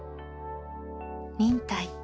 「忍耐」。